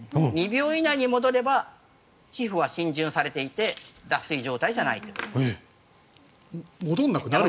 ２秒以内に戻れば皮膚は浸潤されていて脱水状態じゃないと。